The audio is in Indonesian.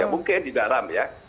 mungkin di dalam ya